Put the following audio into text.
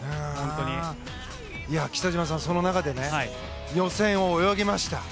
北島さん、その中でね予選を泳ぎました。